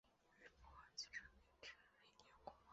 与富豪汽车并称瑞典国宝。